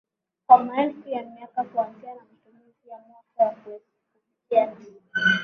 kwa maelfu ya miaka kuanzia na matumizi ya moto kwa kupikia na